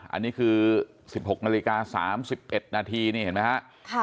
อันนี้คือ๑๖นาฬิกา๓๑นาทีนี่เห็นไหมฮะ